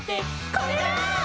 「これだー！」